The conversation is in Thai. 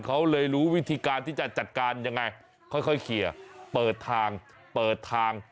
เขาเลยรู้วิธีการที่จะจัดการยังไงค่อยเคลียร์เปิดทางเปิดทาง